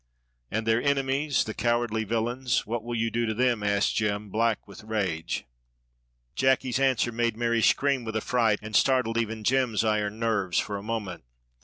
"And their enemies the cowardly villains what will you do to them?" asked Jem, black with rage. Jacky's answer made Mary scream with affright, and startled even Jem's iron nerves for a moment.